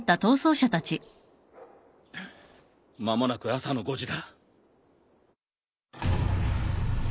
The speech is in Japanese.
間もなく朝の５時だ。